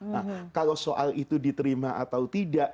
nah kalau soal itu diterima atau tidak